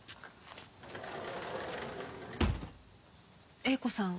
映子さん